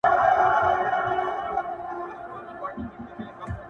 • له اغیار به څه ګیله وي په جانان اعتبار نسته -